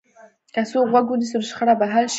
که څوک غوږ ونیسي، نو شخړه به حل شي.